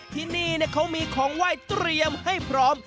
ที่นี่เขามีของไหว้เตรียมให้พร้อม